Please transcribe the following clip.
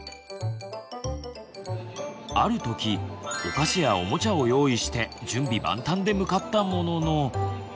ある時お菓子やおもちゃを用意して準備万端で向かったものの。